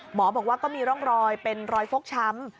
หมอบอกว่าก็มีร่องรอยเป็นรอยฟกช้ำ